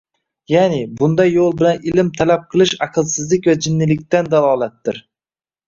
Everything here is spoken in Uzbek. Ya`ni, bunday yo`l bilan ilm talab qilish aqlsizlik va jinnilikdan dalolatdir